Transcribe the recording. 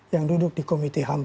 yang duduk di komite ham pbb